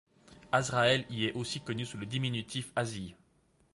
Azraël y est aussi connu sous le diminutif Azzie.